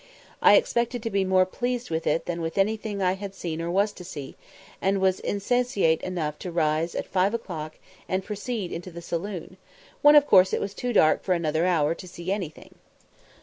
I expected to be more pleased with it than with anything I had seen or was to see, and was insensate enough to rise at five o'clock and proceed into the saloon, when of course it was too dark for another hour to see anything.